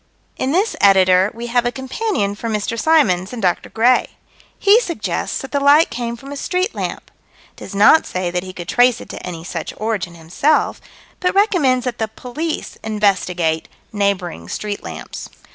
In this Editor we have a companion for Mr. Symons and Dr. Gray. He suggests that the light came from a street lamp does not say that he could trace it to any such origin himself but recommends that the police investigate neighboring street lamps.